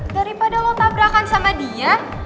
daripada lo tabrakan sama dia